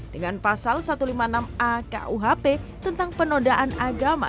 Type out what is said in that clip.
dengan pasal satu ratus lima puluh enam a kuhp tentang penodaan agama